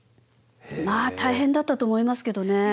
まあ大変だったと思いますけどね。